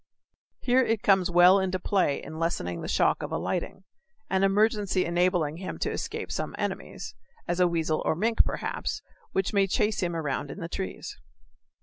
Here it comes well into play in lessening the shock of alighting, an emergency enabling him to escape some enemies as a weasel or mink, perhaps which may chase him around in the trees.